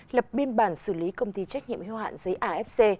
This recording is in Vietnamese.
lập biên bản xử lý công ty trách nhiệm hưu hạn giấy afc